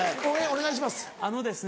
お願いします。